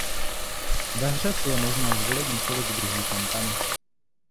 Ve hře si je možné zvolit několik druhů kampaně.